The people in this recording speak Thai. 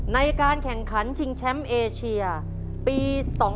ในการแข่งขันชิงแชมป์เอเชียปี๒๕๖